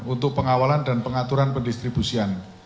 untuk pengawalan dan pengaturan pendistribusian